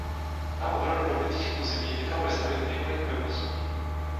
Na obranu dobytých území nechal vystavět několik pevností.